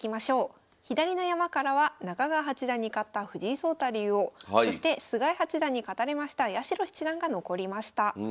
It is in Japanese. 左の山からは中川八段に勝った藤井聡太竜王そして菅井八段に勝たれました八代七段が残りました。